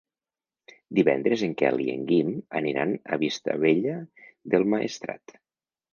Divendres en Quel i en Guim aniran a Vistabella del Maestrat.